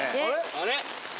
あれ？